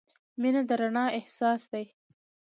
• مینه د رڼا احساس دی.